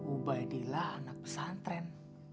ubadillah anak pesantren